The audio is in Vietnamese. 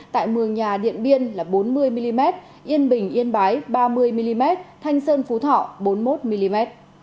tại mường nhà điện biên là bốn mươi mm yên bình yên bái ba mươi mm thanh sơn phú thọ bốn mươi một mm